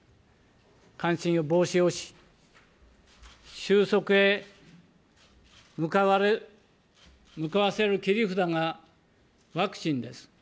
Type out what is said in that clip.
感染の防止をし、収束へ向かわせる切り札がワクチンです。